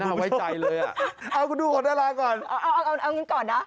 น่าไว้ใจเลยอ่ะเอากูดูคนดาราก่อนเอาอย่างนี้ก่อนนะ